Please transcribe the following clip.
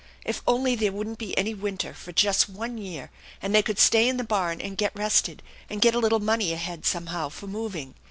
If only there wouldn't be any winter for just one year, and they could stay in the barn and get rested and get a little money ahead somehow for moving.